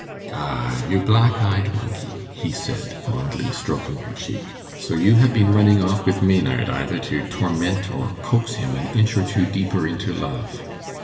'Ah, you black eyed monkey,' he said, fondly stroking her cheek; 'so you have been running off with Maynard, either to torment or coax him an inch or two deeper into love.